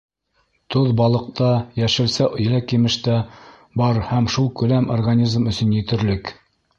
Тоҙ балыҡта, йәшелсә, еләк-емештә бар һәм шул күләм организм өсөн етерлек.